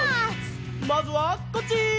まずはこっち！